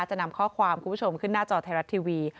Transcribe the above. จะนำข้อความคุณผู้ชมขึ้นหน้าจอไทยรัฐทีวี